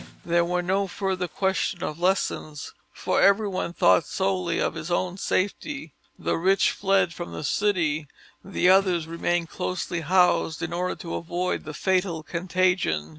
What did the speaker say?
There was no further question of lessons, for everyone thought solely of his own safety; the rich fled from the city, the others remained closely housed in order to avoid the fatal contagion.